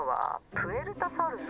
プエルタサウルス？